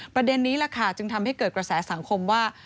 ประเด็นนี้แหละค่ะจึงทำให้เกิดกระแสสังคมว่า